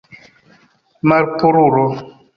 Malpurulo.